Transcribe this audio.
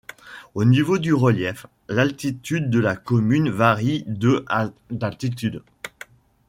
Au niveau du relief, l'altitude de la commune varie de à d'altitude.